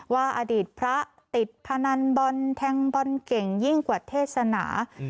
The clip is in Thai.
อดีตพระติดพนันบอลแทงบอลเก่งยิ่งกว่าเทศนา